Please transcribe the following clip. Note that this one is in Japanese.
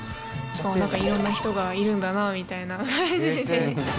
なんかいろんな人がいるんだなぁみたいな。